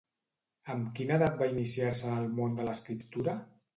Amb quina edat va iniciar-se en el món de l'escriptura?